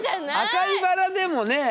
赤い薔薇でもね